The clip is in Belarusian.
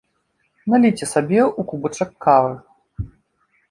Наліце сабе ў кубачак кавы